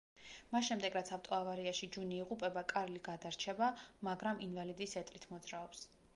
მას შემდეგ, რაც ავტოავარიაში ჯუნი იღუპება, კარლი გადარჩება, მაგრამ ინვალიდის ეტლით მოძრაობს.